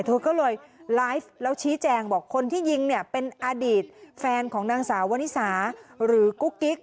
เธอก็เลยไลฟ์แล้วชี้แจงบอกคนที่ยิงเนี่ยเป็นอดีตแฟนของนางสาววนิสาหรือกุ๊กกิ๊ก